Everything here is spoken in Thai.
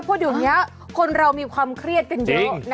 เพราะเดี๋ยวนี้คนเรามีความเครียดกันเยอะ